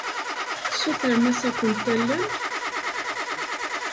Tessutrem-as ad ken-talel?